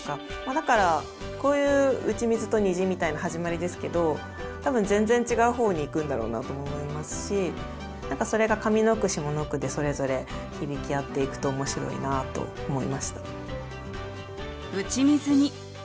だからこういう「打ち水」と「虹」みたいな始まりですけど多分全然違う方にいくんだろうなと思いますし何かそれが上の句下の句でそれぞれ響き合っていくと面白いなと思いました。